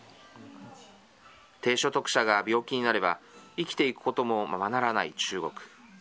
低所得者が病気になれば、生きていくこともままならない中国。